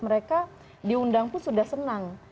mereka diundang pun sudah senang